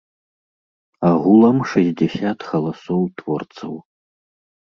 Агулам шэсцьдзясят галасоў творцаў.